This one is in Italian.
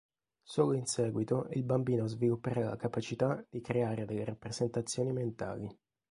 Solo in seguito il bambino svilupperà la capacità di creare delle rappresentazioni mentali.